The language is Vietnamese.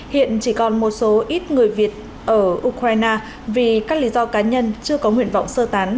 hiện chỉ còn một số ít người việt ở ukraine vì các lý do cá nhân chưa có nguyện vọng sơ tán